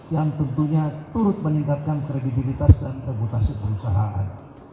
yang tentunya turut meningkatkan kredibilitas dan reputasi perusahaan